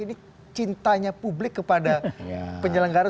ini cintanya publik kepada penyelenggara